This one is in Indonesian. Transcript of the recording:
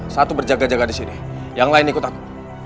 satu berjaga jaga disini yang lain ikut aku